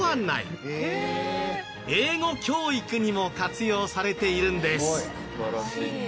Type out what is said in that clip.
英語教育にも活用されているんです。